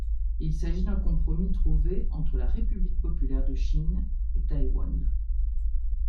Il s'agit d'un compromis trouvé entre la République populaire de Chine et Taïwan.